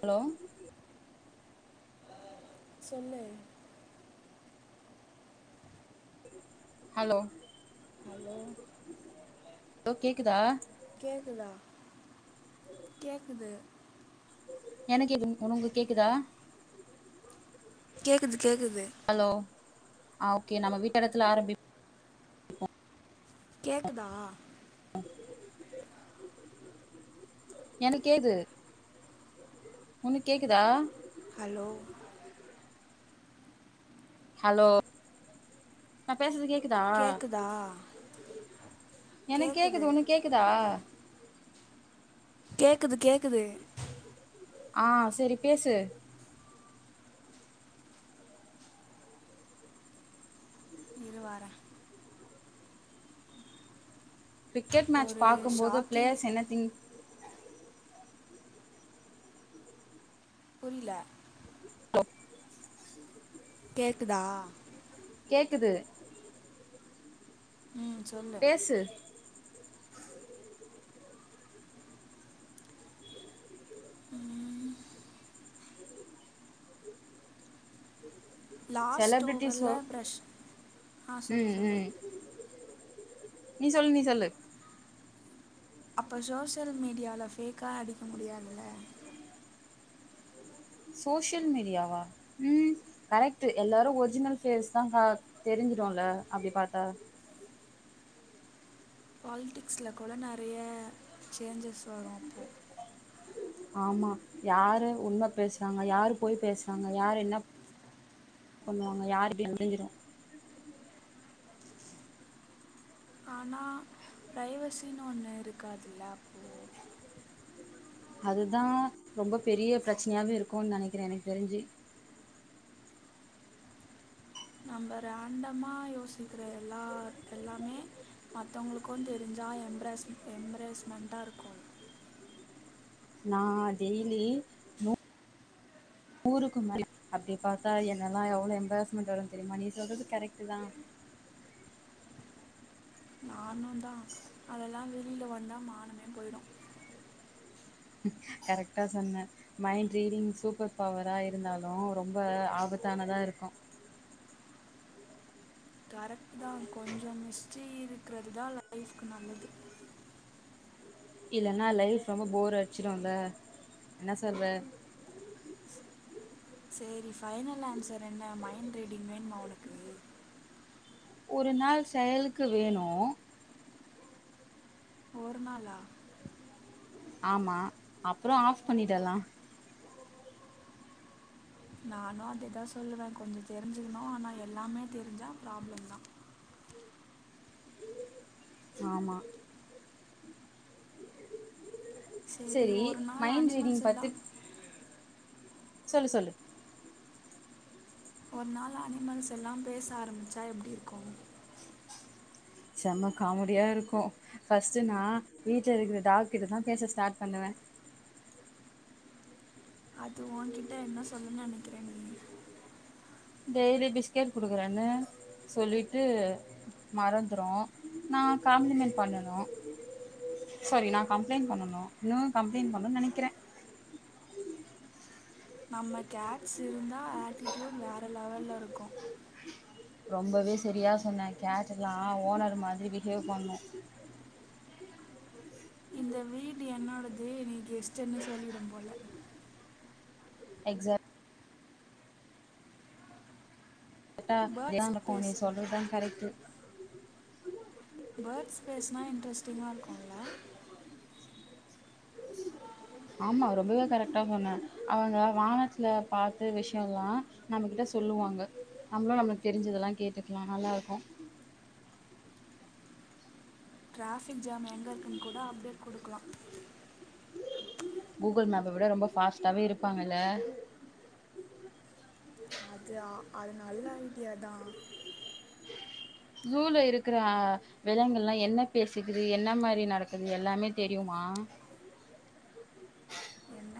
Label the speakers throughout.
Speaker 1: hello
Speaker 2: சொல்லு
Speaker 1: hello
Speaker 2: hello
Speaker 1: லோ கேக்குதா
Speaker 2: கேக்குதா கேக்குது
Speaker 1: எனக்கு கேக்குது உனக்கு கேக்குதா
Speaker 2: கேக்குது கேக்குது
Speaker 1: ஹலோ ஆ ஓகே நம்ம வீட்ட இடத்துல ஆரம்பிப்
Speaker 2: கேக்குதா
Speaker 1: [unintelligible] எனக்கேது உனுக் கேக்குதா
Speaker 2: ஹலோ
Speaker 1: ஹலோ நா பேசுறது கேக்குதா
Speaker 2: தா
Speaker 1: எனக் கேக்குது உனக் கேக்குதா
Speaker 2: கேக்குது கேக்குது
Speaker 1: ஆ செரி பேசு
Speaker 2: இரு வர
Speaker 1: கிரிக்கெட் மேட்ச்
Speaker 2: ஒரு
Speaker 1: பாக்கும்போது
Speaker 2: ஷாக்கிங்
Speaker 1: பிளேயர்ஸ் என்ன திங்
Speaker 2: புரியிலா
Speaker 1: [inaudible]
Speaker 2: கேக்குதா
Speaker 1: கேக்குது
Speaker 2: ம் சொல்லு
Speaker 1: பேசு
Speaker 2: ம் லாஸ்ட் ஓவரில்
Speaker 1: செலபிரிட்டிஸ்சோ
Speaker 2: ப்ரஷ் ஆ சொல்லு
Speaker 1: ம்
Speaker 2: சொல்லு
Speaker 1: ம் நீ சொல் நீ சொல்லு
Speaker 2: அப்ப சோஷியல் மீடியால ஃபேக்கா அடிக்க முடியாதுல
Speaker 1: சோஷியல் மீடியாவா ம் கரெக்ட்டு எல்லாரு ஒரிஜினல் ஃபேஸ் தா கா தெரிஞ்சிடுல அப்டி பாத்தா
Speaker 2: பால்டிக்ஸ்ல கூட நெறைய சேஞ்சஸ் வரு அப்போ
Speaker 1: ஆமா யாரு உண்ம பேசுறாங்க யாரு பொய் பேசுறாங்க யாரு என்னப் பண்ணுவாங்க யாருடி முடிஞ்சிரு
Speaker 2: ஆனா ப்ரைவசினு ஒண்ணு இருக்காதுல்ல அப்போ
Speaker 1: அதுதா ரொம்ப பெரிய பிரச்சனையாவே இருக்கும்னு நெனைக்கிறே எனக்கு தெரிஞ்சு
Speaker 2: நம்ப ரேண்டமா யோசிக்கிற எல்லார் எல்லாமே மத்தவங்களுக்கு தெரிஞ்சா எம்பாரஸ் எம்பரேஸ்மெண்ட்டா இருக்கு
Speaker 1: நா டெய்லி நூ நூறுக்கு மேல அப்டி பாத்தா என்னலா எவ்ளோ எம்பாரஸ்மெண்ட் வரு தெரியுமா நீ சொல்றது கரெக்ட்டு தா
Speaker 2: நானுந்தா அதெல்லா வெளியில வந்தா மானமே போயிடு
Speaker 1: ம் கரெக்ட்டா சொன்ன மைண்ட் ரீடிங் சூப்பர் பவரா இருந்தாலு ரொம்ப ஆபத்தானதா இருக்கு
Speaker 2: கரெக்டுதா கொஞ்ச மிஸ்ட்டி இருக்குறதுதா லைஃப்கு நல்லது
Speaker 1: இல்லன்னா லைஃப் வந்து போர் அடிச்சுருல்ல என்ன சொல்ற
Speaker 2: சேரி ஃபைனல் ஆன்சர் என்ன மைண்ட் ரீடிங் வேணுமா உனக்கு
Speaker 1: ஒரு நாள் செயலுக்கு வேணு
Speaker 2: ஒரு நாளா
Speaker 1: ஆமா அப்றோ ஆஃப் பண்ணிடலா
Speaker 2: நானு அதேதா சொல்லுவே கொஞ்ச தெரிஞ்சுக்ணு ஆனா எல்லாமே தெரிஞ்சா ப்ராப்ளம்தா
Speaker 1: ஆமா
Speaker 2: செரி ஒரு நாள்
Speaker 1: மைண்ட்
Speaker 2: அனிமல்ஸ்
Speaker 1: ரீடிங்
Speaker 2: எல்லா
Speaker 1: பத்தி சொல்லு சொல்லு
Speaker 2: ஒரு நாள் அனிமல்ஸ் எல்லாம் பேச ஆரம்மிச்சா எப்டி இருக்கும்
Speaker 1: செம்ம காமெடியா இருக்கு ஃபஸ்ட்டு நா வீட்ல இருக்குற டாக்கு கிட்டதா பேச ஸ்டாட் பண்ணுவே
Speaker 2: அது ஓங்கிட்ட என்ன சொல்லும்னு நெனக்கிற நீ
Speaker 1: டெய்லி பிஸ்கேட் குடுக்குறனு சொல்லிட்டு மறந்துரு நா காம்ப்ளிமெண்ட் பண்ணனு சரி நா கம்ப்ளைண்ட் பண்ணனு இன்னு கம்ப்ளைண்ட் பண்னு நெனக்கிறே
Speaker 2: நம்ம கேட்ஸ் இருந்தா ஆட்டிடூட் வேற லெவல்ல இருக்கு
Speaker 1: ரொம்பவே சரியா சொன்ன கேட்டலா ஓனர் மாதிரி பிஹேவ் பண்ணு
Speaker 2: இந்த வீடு என்னோடது நீ கெஸ்ட்டுன்னு சொல்லிடு போல
Speaker 1: எக்ஸாட் கேட்டா
Speaker 2: பேர்ட்
Speaker 1: அதான் இருக்கு
Speaker 2: ஸ்பேஸ்
Speaker 1: நீ சொல்றதுதா கரெக்ட்டு
Speaker 2: பேட்ஸ் பேஸ்னா இன்டரஸ்டிங்கா இருக்கு
Speaker 1: [inaudible] ஆமா ரொம்பவே கரெட்டா சொன்ன அவுங்க வானத்துல பாத்து விஷியல்லா நம்மகிட்ட சொல்லுவாங்க நம்மளு நம்மளுக்கு தெரிஞ்சதெல்லா கேட்டுக்கலா நல்லா இருக்கு
Speaker 2: ட்ராஃபிக் ஜாம் எங்க இருக்குன்னு கூட அப்டேட் குடுக்லா
Speaker 1: கூகுள் மேப்ப விட ரொம்ப ஃபாஸ்டாவே இருப்பாங்கல்ல
Speaker 2: அது அ அது நல்ல ஐடியாதா
Speaker 1: ஜூல இருகுறா விலங்குல்லா என்ன பேசுக்கிது என்ன மாரி நடக்குது எல்லாமே தெரியுமா
Speaker 2: என்ன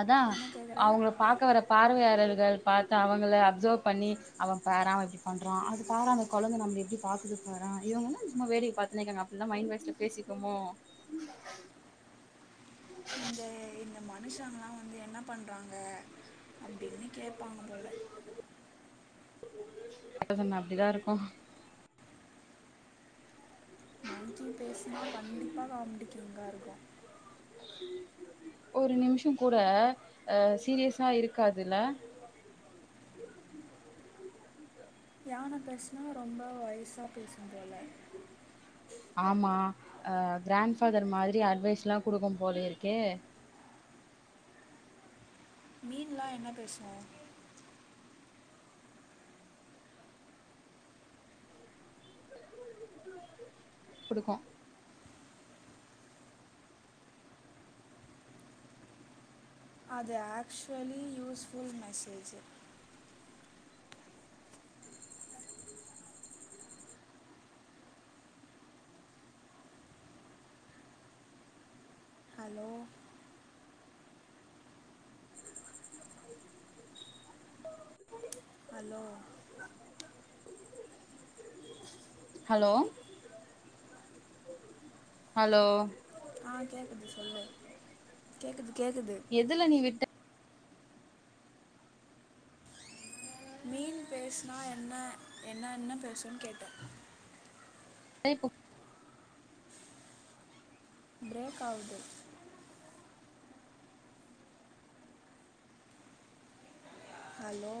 Speaker 1: அதா
Speaker 2: என்ன கேட்குற
Speaker 1: அவுங்கள பாக்க வரப் பார்வையாளர்கள் பாத்து அவங்கள அஃப்சவ் பண்ணி அவ பாரா இப்டி பண்றா அதுக்கார கொழந்த நம்மள எப்டி பாக்குது பார இவுங்க என்ன சும்மா வேடிக்க பாத்துன்னேர இக்காங்க அப்ல்லா மைண்ட் வாய்ஸ்ல பேசிக்குமோ
Speaker 2: இந்த இத் இந்த மனுஷங்கலா வந்து என்ன பண்றாங்க அப்டின்னு கேப்பாங்க போல
Speaker 1: கரெக்டா சொன்ன அப்டிதா இருக்கு
Speaker 2: மங்கி பேசுனா கண்டிப்பா காமெடிக் கிங்கா இருக்கு
Speaker 1: ஒரு நிமிஷ கூட அ சீரியஸா இருக்காதுல
Speaker 2: யான பேஷ்ணா ரொம்ப வயசா பேசும்போல
Speaker 1: ஆமா அ கிராண்ஃபாதர் மாதிரி அட்வைஸ்லா குடுக்கனு போல இருக்கே
Speaker 2: மீன்லா என்ன பேசு
Speaker 1: குடுக்கு
Speaker 2: அது ஆக்சுவலி யூஸ்ஃபுல் மெசேஜி ஹலோ அலோ
Speaker 1: ஹலோ ஹலோ
Speaker 2: ஆ கேக்குது சொல்லு கேக்குது கேக்குது
Speaker 1: எதுல நீ விட்ட
Speaker 2: மீன் பேஸ்னா என்ன என்ன என்ன பேசும்னு கேட்டே
Speaker 1: [unintelligible]
Speaker 2: பிரேக் ஆவது ஹலோ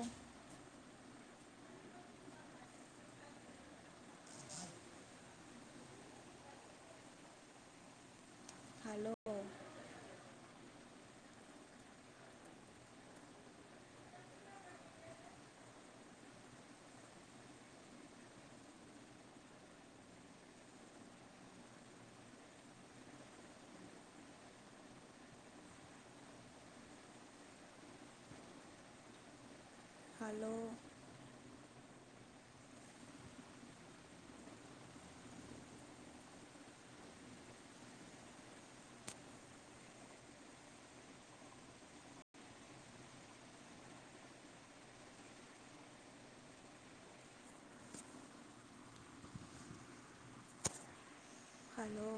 Speaker 2: ஹலோ ஹலோ ஹலோ